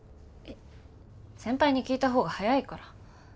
先輩に聞いた方が早いから。